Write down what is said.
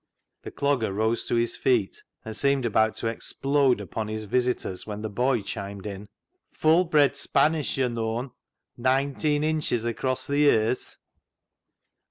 The Clogger rose to his feet, and seemed about to explode upon his visitors, when the boy chimed in —" Full bred Spanish, yo' known ; nineteen inches across th' ye'rs."